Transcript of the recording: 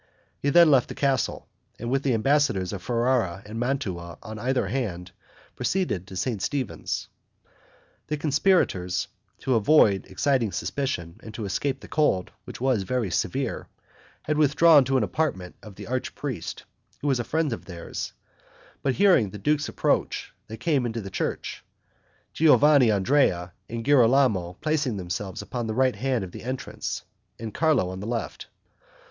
He then left the castle, and, with the ambassadors of Ferrara and Mantua on either hand, proceeded to St. Stephen's. The conspirators, to avoid exciting suspicion, and to escape the cold, which was very severe, had withdrawn to an apartment of the archpriest, who was a friend of theirs, but hearing the duke's approach, they came into the church, Giovanandrea and Girolamo placing themselves upon the right hand of the entrance, and Carlo on the left.